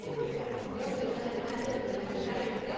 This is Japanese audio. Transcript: ４７で誕生日も何もないですよ。